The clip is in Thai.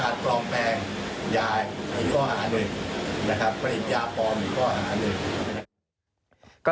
ผลิตยาปลอมอีกข้ออาณึก